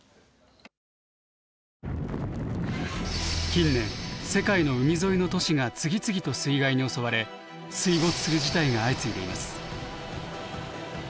近年世界の海沿いの都市が次々と水害に襲われ水没する事態が相次いでいます。